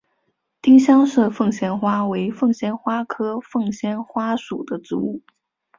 丁香色凤仙花为凤仙花科凤仙花属的植物。